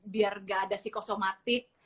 biar gak ada psikosomatik